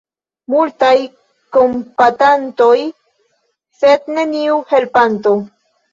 Multaj kompatantoj, sed neniu helpanto.